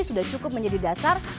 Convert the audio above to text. sudah cukup menjadi dasar